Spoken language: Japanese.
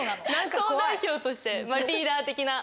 総代表としてリーダー的な。